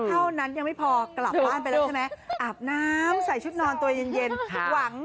เท่านั้นยังไม่พอกลับบ้านไปแล้วใช่ไหมอาบน้ำใส่ชุดนอนตัวเย็นหวัง